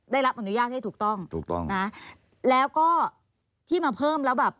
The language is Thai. ได้รับอนุญาตให้ถูกต้องถูกต้องนะแล้วก็ที่มาเพิ่มแล้วแบบ